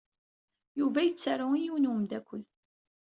Yuba yettaru i yiwen umeddakel.